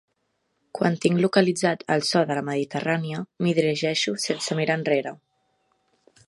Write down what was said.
Quan tinc localitzat el so de la Mediterrània, m'hi dirigeixo sense mirar enrere.